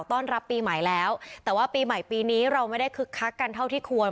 ต้อนรับปีใหม่แล้วแต่ว่าปีใหม่ปีนี้เราไม่ได้คึกคักกันเท่าที่ควร